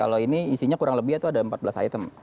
kalau ini isinya kurang lebih itu ada empat belas item